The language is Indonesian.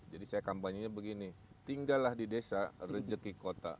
jadi saya kampanye nya begini tinggallah di desa rejeki kota